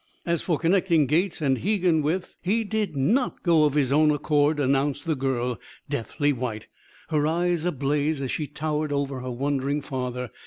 As for connecting Gates and Hegan with " "He did not go of his own accord!" announced the girl, deathly white, her eyes ablaze, as she towered over her wondering father.